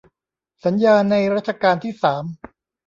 สัญญาในรัชกาลที่สาม